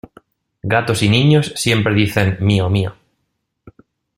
Gatos y niños siempre dicen: mío, mío.